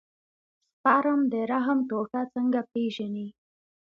سپرم د رحم ټوټه څنګه پېژني.